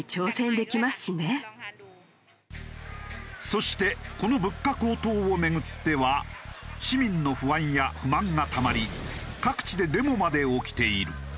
そしてこの物価高騰を巡っては市民の不安や不満がたまり各地でデモまで起きている。